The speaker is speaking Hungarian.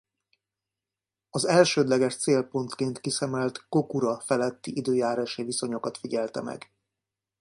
Az elsődleges célpontként kiszemelt Kokura feletti időjárási viszonyokat figyelte meg.